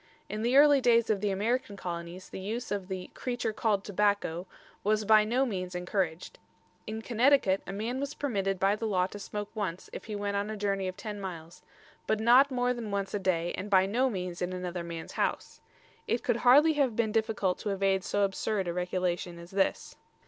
In the early days of the American Colonies the use of the "creature called Tobacko" was by no means encouraged. In Connecticut a man was permitted by the law to smoke once if he went on a journey of ten miles, but not more than once a day and by no means in another man's house. It could hardly have been difficult to evade so absurd a regulation as this.